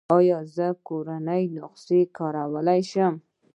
ایا زه کورنۍ نسخې کارولی شم؟